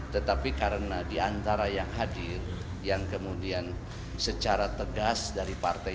tetapi karena diantara yang hadir yang kemudian secara tegas dari partai